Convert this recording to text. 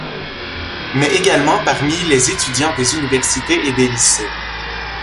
Mais également parmi les étudiants des universités et des lycées.